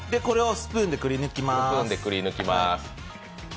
これをスプーンでくり抜きます。